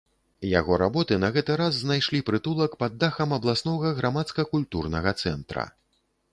Яго работы на гэты раз знайшлі прытулак пад дахам абласнога грамадска-культурнага цэнтра.